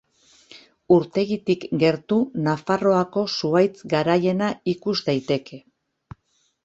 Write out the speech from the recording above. Urtegitik gertu Nafarroako zuhaitz garaiena ikus daiteke.